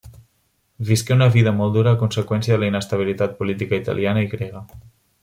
Visqué una vida molt dura a conseqüència de la inestabilitat política italiana i grega.